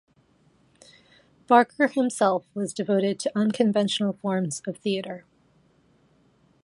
Barker himself was devoted to unconventional forms of theater.